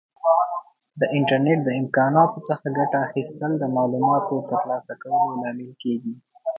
د انټرنیټ د امکاناتو څخه ګټه اخیستل د معلوماتو د ترلاسه کولو لامل کیږي.